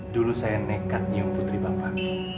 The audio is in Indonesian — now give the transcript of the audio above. dulu saya nekat nyium putri bapak